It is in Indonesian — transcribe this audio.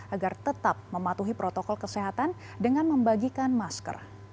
agar tetap mematuhi protokol kesehatan dengan membagikan masker